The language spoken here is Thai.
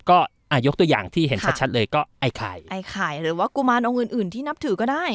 ก็อ่ายกตัวอย่างที่เห็นชัดเลยก็ไอ้ไข่ไอ้ไข่หรือว่ากุมารองค์อื่นอื่นที่นับถือก็ได้